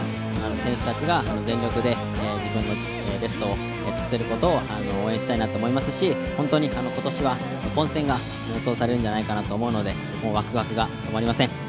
選手たちが全力で自分のベストを尽くせることを応援したいなと思いますし、本当に今年は混戦が予想されるんじゃないかと思うのでワクワクが止まりません。